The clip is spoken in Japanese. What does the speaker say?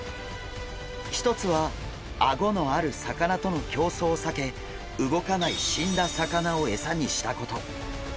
一つはアゴのある魚との競争を避け動かない死んだ魚を餌にしたこと。